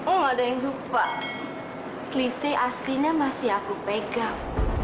oh ada yang lupa klise aslinya masih aku pegang